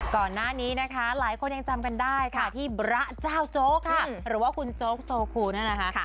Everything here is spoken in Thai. ก่อนหน้านี้นะคะหลายคนยังจำกันได้ค่ะที่พระเจ้าโจ๊กค่ะหรือว่าคุณโจ๊กโซคูนั่นนะคะ